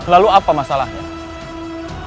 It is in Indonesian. lalu apa masalahnya